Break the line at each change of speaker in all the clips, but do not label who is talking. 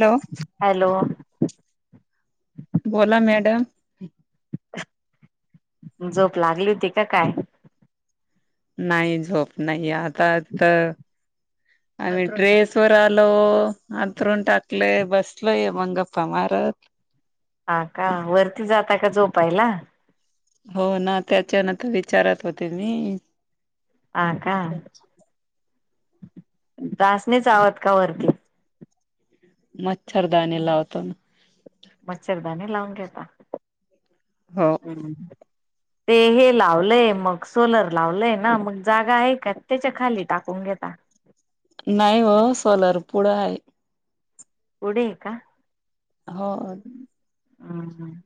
Hello.
Hello.
बोला madam.
झोप लागली होती का काय.
नाही झोप नाही आता तर.
[inaudible]
आणि ड्रेस वर आलो अथरून टाकले बसलय म गप्पा मारत.
ह का वरती जाता का झोपायला.
हो ना त्याच्यान तर विचारत होते मी.
हा का डासणीच आहत का वरती.
मच्छरदानी लावतात.
मच्छरदानी लावून घेता.
हो.
हम. ते हे लावलंय मग सोलर लावलंय ना मग जागा आहे का त्याच्या खाली टाकून घेता.
नाही हो सोलर पुढं आहे.
पुढे हाय का.
होय.
हम हम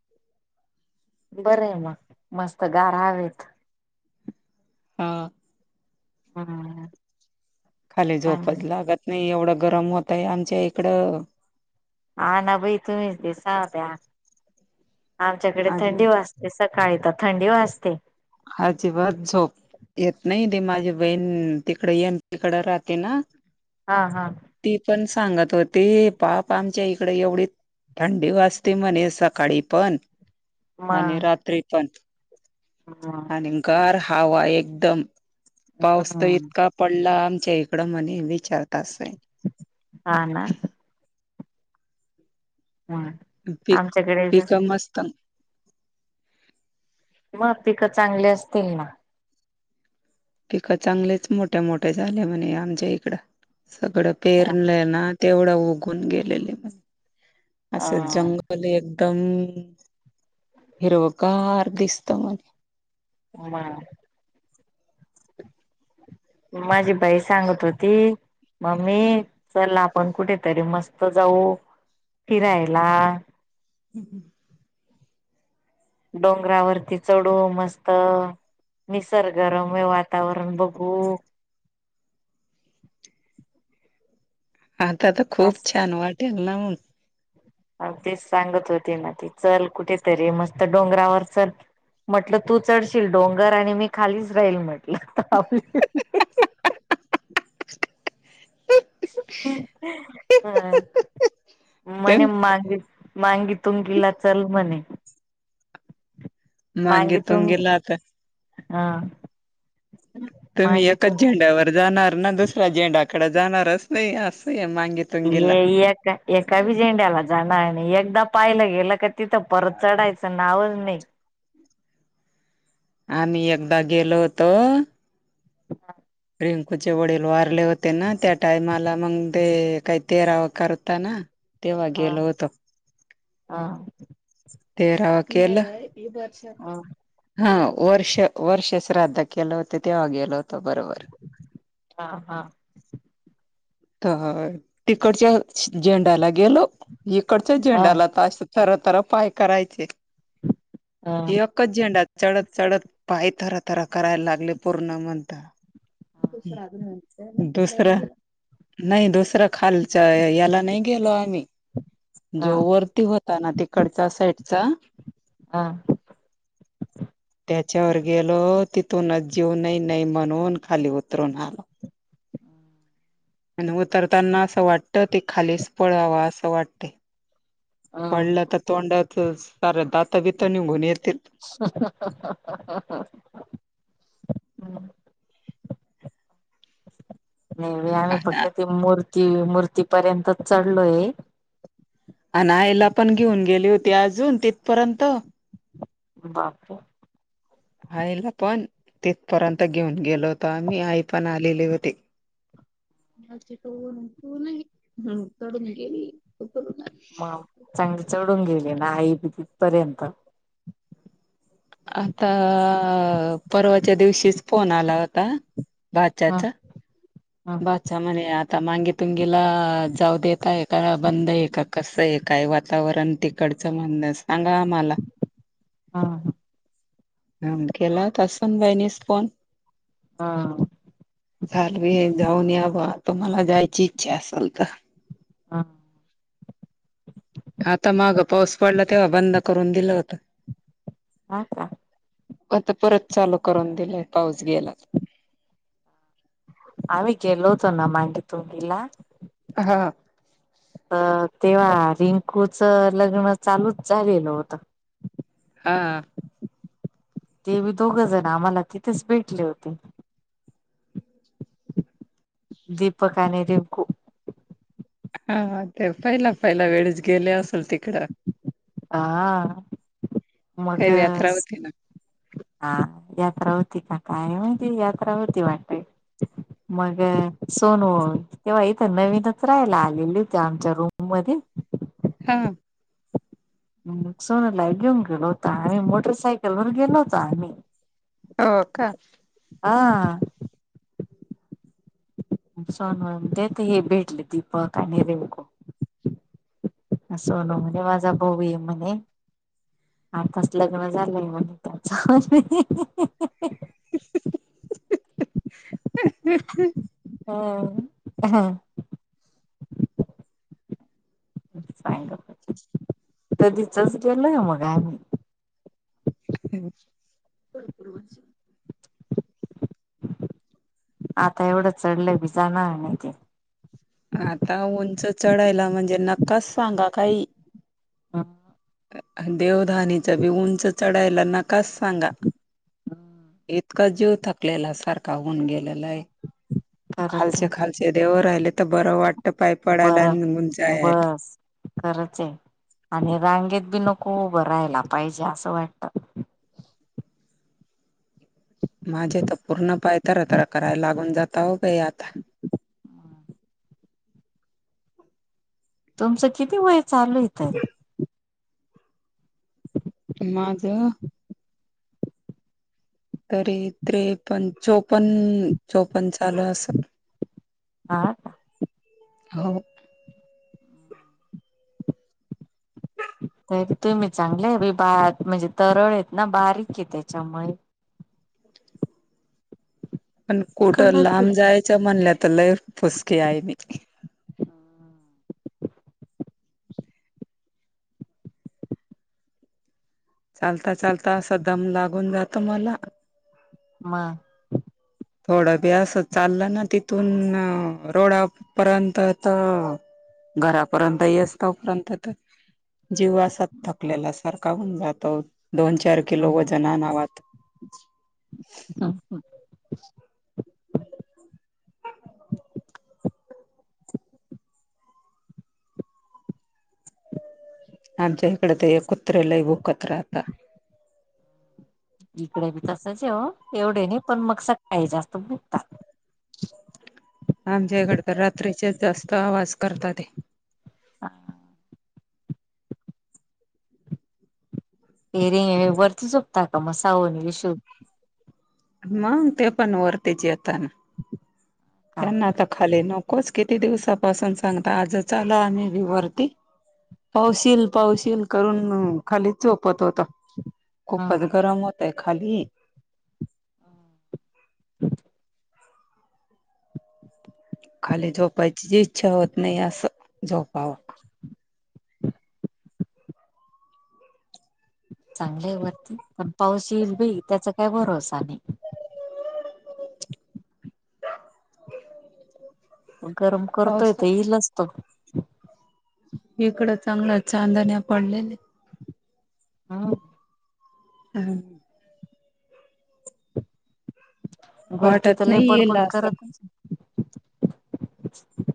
बरं आहे मग मस्त गार हवेत.
हा.
हम् [unintelligible]
खाली झोपच लागत नाही. एवढं गरम होत आहे आमच्या इकडं.
आ ना बाई तर ते साध्या आमच्याकडे थंडी वाजता. ते सकाळी तर थंडी वाजते.
आजिबात झोप. येत नाही ते माझी बहीण तिकड येन तिकडं राहते ना.
हा हा.
ती पण सांगत होती. पाक आमच्या इकडे एवढी. थंडी वाजते म्हणे सकाळी पण आणि रात्री पण.
हा.
निकार हवा एकदम पाऊस तर
हम्म
इतका पडला आमच्या इकडं म्हणे विचारत अस आहे.
हा ना. हम् [unintelligible]
पी पीक मस्त
मग पिकं चांगली असतील ना.
पिकं चांगलेच मोठ्या मोठे झाले म्हणे आमच्या इकडं सगळं पेरलय ना. तेवढं उघून गेलेले म असं
अ
जंगल ले एकदम हिरवकार दिसत म्हणे.
ह ह [unintelligible] माझी बाई सांगत होती. मम्मी चल आपण कुठेतरी मस्त जाऊ फिरायला.
[inaudible]
डोंगरावरती चढू मस्त निसर्गरम्य वातावरण बघू.
आता तर खूप छान वाटेल ना.
अ तेच सांगत होती ना ती चल कुठेतरी मस्त डोंगरावर चल. म्हटलं तू चढशील डोंगर आणि मी खालीच राहील म्हटलं.
ह [unintelligible]
हा
ते
मने मागे. मांगी तुंगीला चल म्हणे
मांगे
माांगी तून
तुंगीला आता
हा..
तुम्ही
मांगी
एकाच
तुंग
झेंड्यावर जाणार ना दुसऱ्या झेंड्याकडे जाणारच नाही असं मागित
ये एका एका बी झेंड्याला जानार नाही आणि एकदा पाहिलं गेलं का तिथं परत चढायचं नावच नाही.
हा मी एकदा गेलो होतो. रिंकूचे वडील वारले होते ना. त्या टाइमाला मग ते काय तेराव करता ना तेव्हा
हा
गेलो होतो.
हा.
तेराव केल.
हा
हा वर्ष वर्ष श्राद्ध केलं होत तेव्हा गेल होतं बरोबर.
हा हा.
तर तिकडच्या झेंड्याला गेलो इकडच्या
अ
झेंड्याला तास सरतर पाय करायचे
अ
एक च झेंडा चढत चढत पाय थराथरा करायला लागले. पूर्ण म्हणता दुसर नाही दुसरं खालच याला नाही गेलो आम्ही
अ
जो वरती हो त ना तिकडचा साईडचा
हा
त्याच्यावर गेलो तिथूनच जीव नाही नाही म्हणून खाली उतरून आलो. आणि उतरताना असं वाटतं ते खालीच पळावा असं वाटतय.
अ
पळात तोंडातच सार दात बीत निघुन येेतील,
हहहहहहहहह [unintelligible] नाही आम्ही फक्त ती मूर्ती मूर्तीपर्यंतच चढलोय.
अण आयला पण घेऊन गेली होती अजून तिथपर्यंत,
बापू
आईला पण तिथपर्यंत घेऊन गेलो होतो आम्ही आई पण आलेली होती. त नाही चढून गेली उ [inaudible]
मग चांगली चढून गेली ना आई बी तिथपर्यंत
आता परवाच्या दिवशीच फोन आला होता
ह
भाच्याचा
ह
भाचा म्हणे आता मागेतून गेला. जाऊ देता आहे का बंद आहे का कसं आहे. काय वातावरण तिकडचं म्हणण सांगा आम्हाला,
हा
ह केला होता सुनबाईनीस फोन.
हा
चालवी जाऊन याव तुम्हाला जायची इच्छा असल तर,
हा
आता माग पाऊस पडला तेव्हा बंद करून दिलं होत.
हा का?
आता परत चालू करून दिलेय पाऊस गेला
आम्ही गेलो होतो ना मांगी तुंगीला
हा
तर तेव्हा रिंकूच लग्न चालूच झालेलं होतं,
हा
ते दोघ जण आम्हाला तिथेच भेटले होते.
[unintelligible]
दीपक आणि रिंकू
हा हा ते पहिला पहिला वेळेच गेले असल ती
हा
काही व्यात्रा
मगस
होती ना
हा यात्रा होती की काय माहिती यात्रा होती वाटतंय मग सोनू तेव्हा इथं नवीनच राहायला आलेली होती आमच्या रूम मध्ये
हा
सोनला घेऊन गेलो होतो आम्ही मोटरसायकलवर गेलो होतो आम्ही
हो का?
हा सोनू तिथं हे भेटले दीपक आणि रिंकू सोनू म्हणे माझा भाऊ ये म्हणे आताच लग्न झालंय म्हण तुमचं हहह हीहीहीहीही
[unintelligible]
अ हा सांग कधीचच केलय मग आम्ही
हो [unintelligible]
आता एवढं चढलंय भी जाणार नाही ते
आता उंच चढायला म्हणजे नक्काच सांगा काही
हा
देवधानीचा बी उंच चढायला नकाच सांगा. इतका जीव थकलेला सारखा होऊन गेलेला हाय.
खरंच
खालचे
आहे
खालचे देव राहिले तर बरं वाटत पाय पडयला आणि निघून जायाला.
खरच ये आणि रांगेत बी नको उभं राहायला पाहिजे असं वाटत.
माझे तर पूर्ण पाय तरातरा करायला लागून जाताव बाई आता.
तुमचं किती वय चालू ये तर
माझ तरी त्रेपन चोपन चोपन चालू असलं.
हा का
हो.
तुम्ही चांगल्या ये बाई बा म्हणजे तरून येत ना बारीकये त्याच्यामुळे
पण कुठं
कडक
लांब
आहे
जायच म्हणल्या तर लय फुसकी हाय मी.
हा
चालता चालता असा दम लागून जातो मला.
मग
थोडं बेस चाललं ना तिथून रोडापर्यंत तर घरापर्यंत येस तोपर्यंत तर जीव असा थकलेला सारखा होऊन जातो दोन चार किलो
मग
वजन आनावा
[unintelligible]
आमच्या इकड ते एक कुत्र लय भूकत राहता.
इकड बी तसंच ये ओ एवढे नाई पण मग सकाळी जास्त भुकतात.
आमच्याकड तर रात्रीचेच जास्त आवाज करता ते.
हा एरवी वरती झोपतो आता म सावू नं विशु
मंग ते पण वरती यताना
का
त्यांना त खाली नकोच किती दिवसापासून सांगता आज च आलो आम्ही बी पण वरती. पाऊस येईल पाऊस येईल करुन खालीच झोपत होतो.
ह
खूपच गरम होतय खाली.
आ
खाली झोपायची जी इच्छा होत नाही असं झोपावा.
[unintelligible] चांगलय वरती पण पाऊस येईल बई त्याचा काय भरोसा नही. गरम करतोय त
पावसाच
येईलचं तो
इकड चांगलं चांदण्या पडलेल्या.
हा
हम्म
वरती तर
वाटत
लई
नाही येईल
बडबड
असं
करत असणं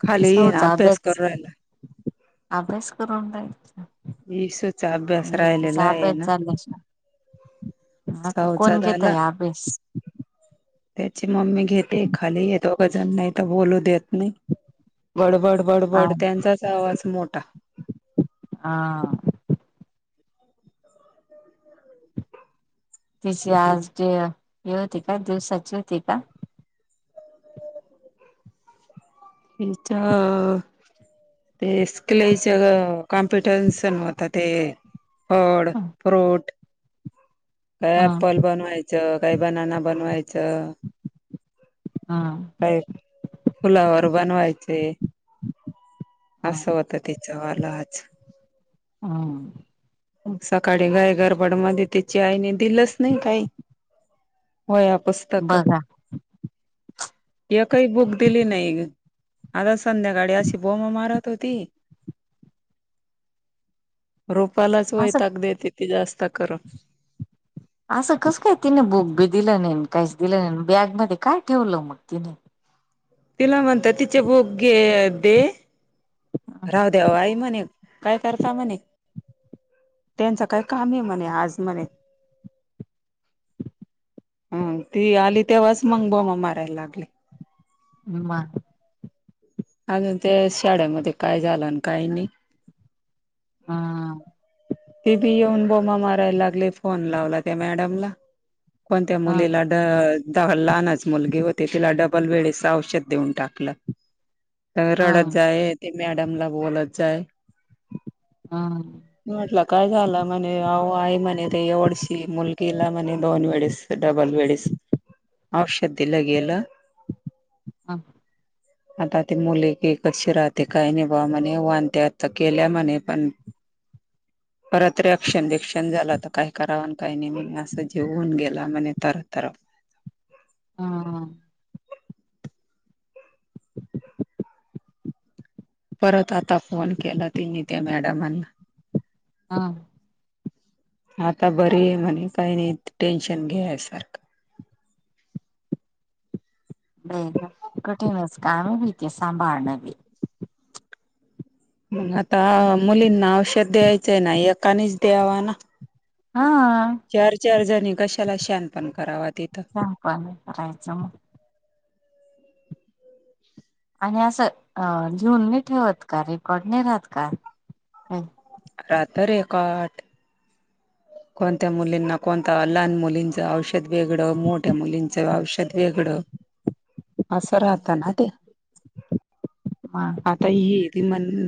खाली येऊन अभ्यास करू रायला.
अभ्यास करून रायला सां
इसूचा अभ्यास
ही
राहिलेला
तिचा
आहे
अभ्यास
ना
चालू असणार हा कां
सहाचा
कोण
झाला
घेतय अभ्यास?
त्याची मम्मी घेते खालीये दोघ जण नाय तो बोलू देत. नही बडबड बडबड त्यांचाच आवाज मोठा.
आ
[unintelligible]
तिची आज डे हे होती का दिवसाची होती का?
इच्छा ते स्केल सगळं कॉम्पिटनशन होत ते फळ,
ह
फ्रूट काय अप्पल बनवायचं काय बनाना बनवायचं.
हा
काय फुलावर बनवायचे
ह
असं होतं त्यांच वाला आज
हा..
सकाळी घाय गरबड मध्ये त्याची आईने दिलच नाही काही. वह्या, पुस्तक.
बघा
एकही बुक दिली नाही. आता संध्याकाळी अशी बोमा मारत होती. मलाच
असं
वैताग देते ती जास्त करून.
असं कसं काय तिने बुक बी दिलं नाही काहीच दिलं नाही बॅगमध्ये काय ठेवलं मग तिने?
तिला म्हणतात तिचे बुकघे दे. राहु द्या व आई म्हणे काय करता म्हणे. त्यांचं काय काम आहे म्हणे आज म्हणे. हम्म ती आली तेव्हाच मग बोमा मारायला लागली.
ह म.
आणि त्या शाळेमध्ये काय झालं, काही नाही.
हा.
ते बी येऊन बोमा मारायला लागले फोन लावला त्या मॅडमला कोणत्या
हम्
मुलीला. लहानच मुलगी होती तिला डबल वेळेच औषध देऊन टाकलं. रडत
हम्
जाय हे ते मॅडमला बोलत जाय.
हा.
महटल. काय झालं म्हणे आहो आई म्हणे ते एवढशी मुलगीला म्हणे दोन वेळेस, डबल वेळेस औषध दिल्या गेल.
हा.
आता ती मुलगी कशी राहते, काय नाही बा म्हणे वानत्यात केल्या म्हणे पण परत रेक्शन बिकशन झालं तर काय कराव काही नाही म असं जेवून गेला म्हणे तरतर.
हा.
परत आता फोन केला तिनी त्या मॅडमांना.
हां.
आता बरी आहे म्हणे काही नाही टेन्शन घ्या सारखं.
[unintelligible] कठीनच काम आहे बी तेे सांभाळण बी.
आता मुलींना औषध द्यायचंय ना एकानेच द्यावा ना.
हा
चार, चार जणी कशाला शान पण कराव तिथं.
शहान पण करायचं मग. आणि असं लिहून नाही ठेवत का, रेकॉर्ड नाही राहत का काय.
राहत रेकॉर्ड. कोणत्या मुलींना कोणत, लहान मुलींचं औषध वेगळं मोठ्या मुलींचं औषध वेगळं असं राहत ना ते.
मा..
आता हे येतीण म्हणून.